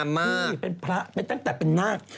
พี่เป็นพระแต่เป็นนาฏ